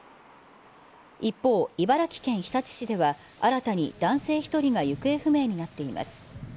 一方、茨城県日立市では、新たに男性１人が行方不明になっています。